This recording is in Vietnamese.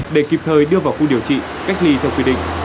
để kịp thời đưa vào khu điều trị cách ly theo quy định